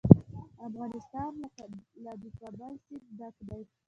افغانستان له د کابل سیند ډک دی.